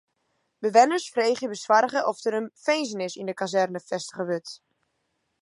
Bewenners freegje besoarge oft der in finzenis yn de kazerne fêstige wurdt.